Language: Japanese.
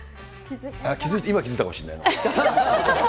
今気付いたかもしれないな。